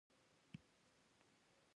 خپل غږ بېرته خپلول ازادي ده.